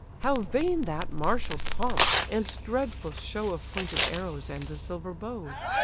How vain that martial pomp, and dreadful show Of pointed arrows and the silver bow!